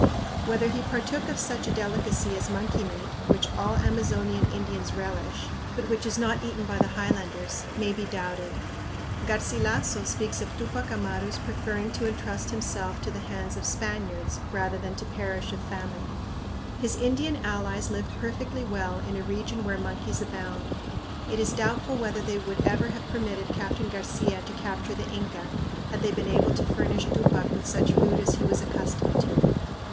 Whether he partook of such a delicacy as monkey meat, which all Amazonian Indians relish, but which is not eaten by the highlanders, may be doubted. Garcilasso speaks of Tupac Amaru's preferring to entrust himself to the hands of the Spaniards "rather than to perish of famine." His Indian allies lived perfectly well in a region where monkeys abound. It is doubtful whether they would ever have permitted Captain Garcia to capture the Inca had they been able to furnish Tupac with such food as he was accustomed to.